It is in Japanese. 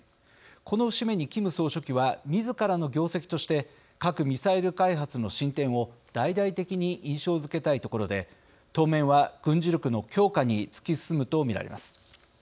この節目にキム総書記はみずからの業績として核・ミサイル開発の進展を大々的に印象づけたいところで当面は軍事力の強化に突き進むと見られます。